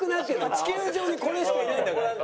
地球上にこれしかいないんだから。